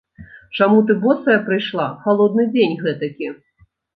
Чаму ты босая прыйшла, халодны дзень гэтакі?